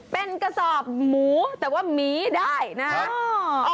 เป็นกระสอบหมูแต่ว่าหมีได้นะ